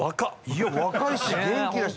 いや若いし元気だし。